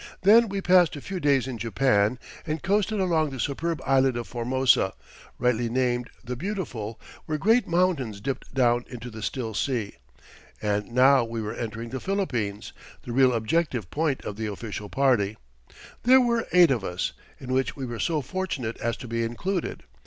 Then we passed a few days in Japan, and coasted along the superb island of Formosa, rightly named "the beautiful" where great mountains dipped down into the still sea and now we were entering the Philippines, the real objective point of the official party there were eight of us in which we were so fortunate as to be included.